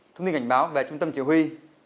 thông tin cảnh báo về trung tâm chỉ huy